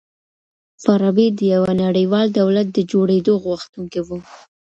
فارابي د يوه نړيوال دولت د جوړېدو غوښتونکی و.